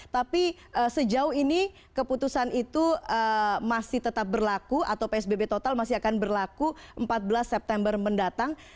tapi sejauh ini keputusan itu masih tetap berlaku atau psbb total masih akan berlaku empat belas september mendatang